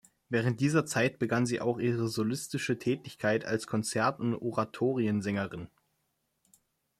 Während dieser Zeit begann sie auch ihre solistische Tätigkeit als Konzert- und Oratoriensängerin.